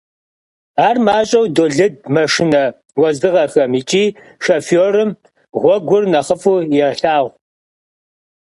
Ar maş'eu dolıd maşşine vuezdığexem yiç'i şşofêrım ğuegur nexhıf'u yêlhağu.